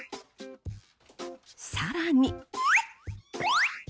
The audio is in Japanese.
更に。